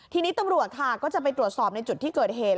ทีนี้ตำรวจค่ะก็จะไปตรวจสอบในจุดที่เกิดเหตุ